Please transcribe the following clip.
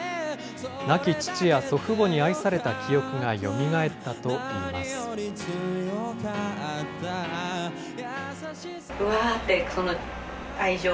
亡き父や祖父母に愛された記憶がよみがえったといいます。